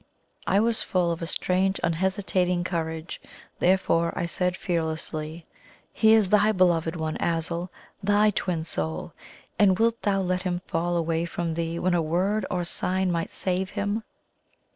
I was full of a strange unhesitating courage, therefore I said fearlessly: "He is thy Beloved one, Azul thy Twin Soul; and wilt thou let him fall away from thee when a word or sign might save him?"